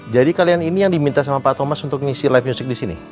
jadi kalian ini yang diminta sama pak thomas untuk mengisi live music di sini